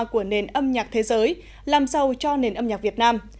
của nền âm nhạc thế giới làm sâu cho nền âm nhạc việt nam